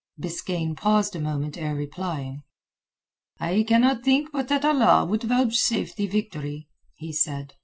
Biskaine paused a moment ere replying. "I cannot think but that Allah would vouchsafe thee victory," he said.